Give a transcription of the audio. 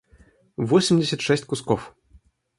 восемьдесят шесть кусков